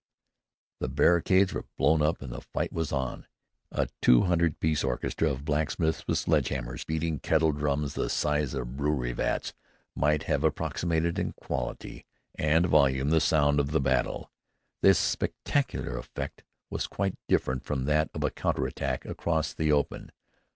The barricades were blown up and the fight was on. A two hundred piece orchestra of blacksmiths, with sledgehammers, beating kettle drums the size of brewery vats, might have approximated, in quality and volume, the sound of the battle. The spectacular effect was quite different from that of a counter attack across the open.